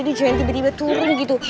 jadi jalan tiba tiba turun gitu